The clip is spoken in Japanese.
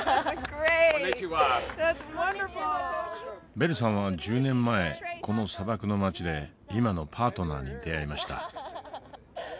ベルさんは１０年前この砂漠の街で今のパートナーに出会いました。